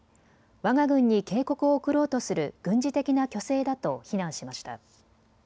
わが軍に警告を送ろうとする軍事的な虚勢だと非難しました。